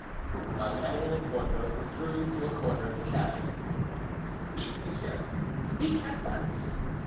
D'Artagnan and Porthos withdrew to a corner of the cabinet. "Speak, monsieur, speak at once!"